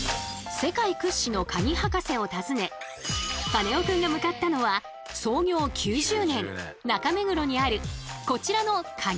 世界屈指の鍵博士を訪ねカネオくんが向かったのは創業９０年中目黒にあるこちらの鍵屋さん。